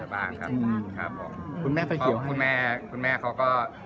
ต้องเข้าความสอบต่อกับกับคุณพาย